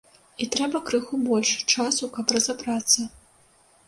І трэба крыху больш часу, каб разабрацца.